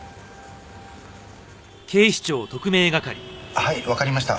はいわかりました。